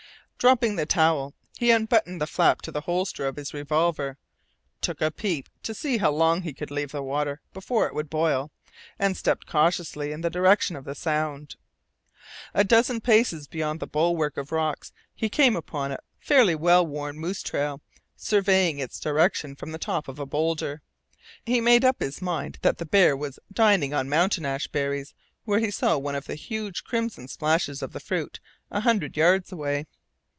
Dropping the towel, he unbuttoned the flap to the holster of his revolver, took a peep to see how long he could leave the water before it would boil, and stepped cautiously in the direction of the sound. A dozen paces beyond the bulwark of rocks he came upon a fairly well worn moose trail; surveying its direction from the top of a boulder, he made up his mind that the bear was dining on mountain ash berries where he saw one of the huge crimson splashes of the fruit a hundred yards away.